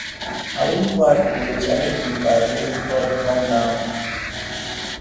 I wouldn't like to lose anything by being taught wrong now.